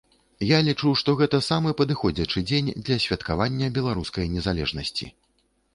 Я лічу, што гэта самы падыходзячы дзень для святкавання беларускай незалежнасці.